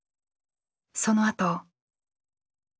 そのあと。